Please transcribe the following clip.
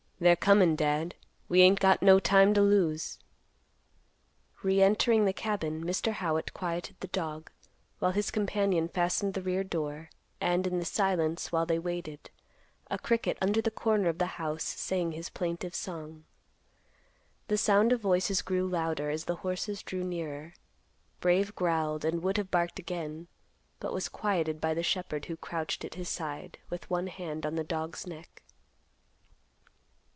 "They're comin', Dad. We ain't got no time to lose." Re entering the cabin, Mr. Howitt quieted the dog, while his companion fastened the rear door, and, in the silence, while they waited, a cricket under the corner of the house sang his plaintive song. The sound of voices grew louder as the horses drew nearer. Brave growled and would have barked again, but was quieted by the shepherd, who crouched at his side, with one hand on the dog's neck.